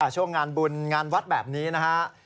ช่วงงานบุญงานวัดแบบนี้นะฮะ